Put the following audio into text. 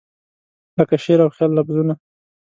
لکه شعر او خیال لفظونه